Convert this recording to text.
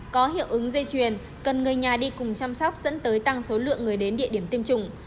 có hiệu ứng dây chuyền cần người nhà đi cùng chăm sóc dẫn tới tăng số lượng người đến địa điểm tiêm chủng